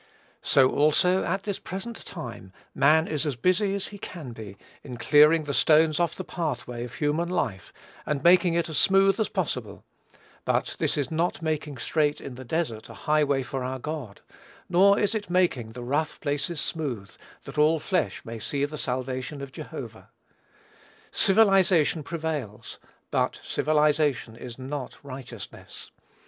So also at this present time; man is as busy as he can be, in clearing the stones off the pathway of human life, and making it as smooth as possible; but this is not "making straight in the desert a highway for our God;" nor is it making "the rough places smooth," that all flesh may see the salvation of Jehovah. Civilization prevails; but civilization is not righteousness.